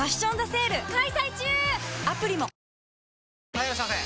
・はいいらっしゃいませ！